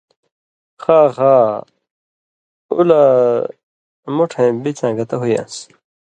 خا خا اُو لہ مُٹھَیں بِڅاں گتہ ہُویان٘س